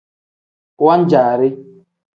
Wan-jaari.